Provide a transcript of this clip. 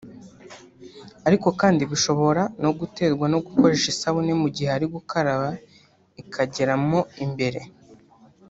ariko kandi bishobora no guterwa no gukoresha isabune mu gihe ari gukaraba ikagera mo imbere